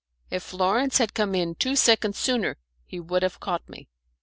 If Lawrence had come in two seconds sooner he would have caught me.